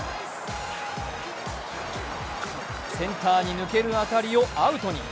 センターに抜ける当たりをアウトに。